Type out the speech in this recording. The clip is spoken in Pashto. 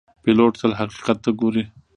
پیلوټ تل حقیقت ته ګوري.